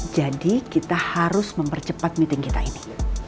jadi kita harus mempercepat meeting kita ini